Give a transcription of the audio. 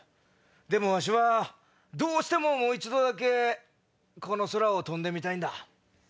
でもどうしてももう一度だけこの空を飛んでみたいんだ。